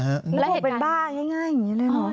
แล้วเหตุการณ์เป็นบ้าง่ายอย่างนี้เลยเหรอ